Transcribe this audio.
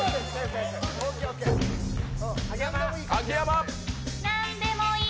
秋山。